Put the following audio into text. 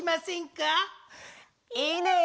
いいね！